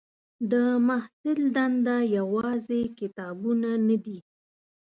د محصل دنده یوازې کتابونه نه دي.